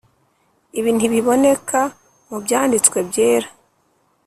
Ibi ntibiboneka mu Byanditswe Byera.